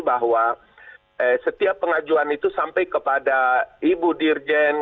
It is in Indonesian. bahwa setiap pengajuan itu sampai kepada ibu dirjen